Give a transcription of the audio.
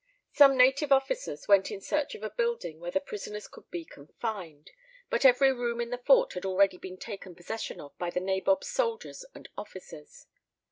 Some native officers went in search of a building where the prisoners could be confined, but every room in the fort had already been taken possession of by the nabob's soldiers and officers.